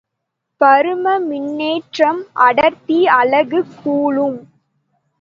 பரும மின்னேற்ற அடர்த்தி அலகு கூலும்.